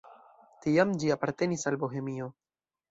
Tiam ĝi apartenis al Bohemio.